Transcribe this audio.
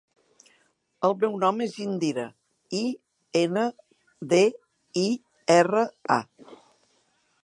El meu nom és Indira: i, ena, de, i, erra, a.